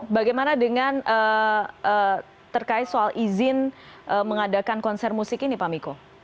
bagaimana dengan terkait soal izin mengadakan konser musik ini pak miko